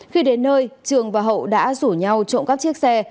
khi đến nơi trường và hậu đã rủ nhau trộm cắp chiếc xe